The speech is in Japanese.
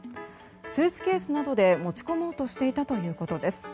スーツケースなどで持ち込もうとしていたということです。